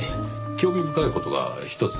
興味深い事がひとつ。